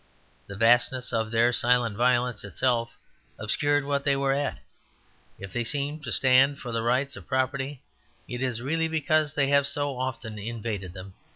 The vastness of their silent violence itself obscured what they were at; if they seem to stand for the rights of property it is really because they have so often invaded them.